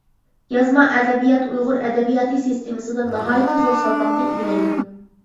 يازما ئەدەبىيات ئۇيغۇر ئەدەبىياتى سىستېمىسىدا ناھايىتى زور سالماقنى ئىگىلەيدۇ.